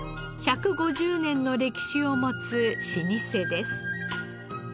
１５０年の歴史を持つ老舗です。